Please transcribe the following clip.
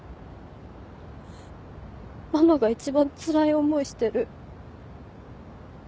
ママが一番つらい思いしてる。